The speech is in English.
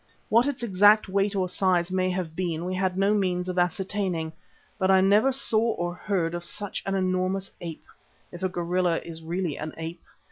What its exact weight or size may have been we had no means of ascertaining, but I never saw or heard of such an enormous ape, if a gorilla is really an ape.